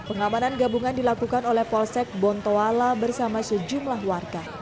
pengamanan gabungan dilakukan oleh polsek bontoala bersama sejumlah warga